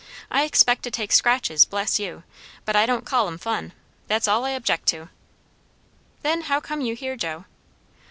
I expect to take scratches bless you! but I don't call 'em fun. That's all I object to." "Then how come you here, Joe?"